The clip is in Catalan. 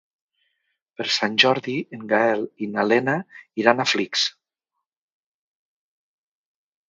Per Sant Jordi en Gaël i na Lena iran a Flix.